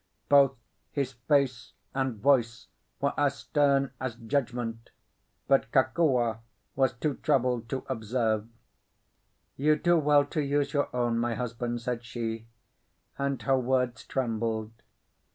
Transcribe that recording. Both his face and voice were as stern as judgment, but Kokua was too troubled to observe. "You do well to use your own, my husband," said she, and her words trembled.